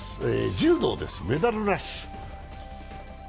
柔道、メダルラッシュ。